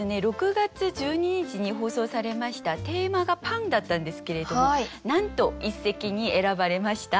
６月１２日に放送されましたテーマが「パン」だったんですけれどもなんと一席に選ばれました。